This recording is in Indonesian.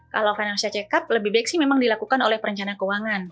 kalau financial check up lebih baik sih memang dilakukan oleh perencana keuangan